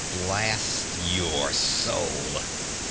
'Blast your soul!'